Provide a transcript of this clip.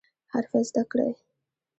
حرفه زده کړئ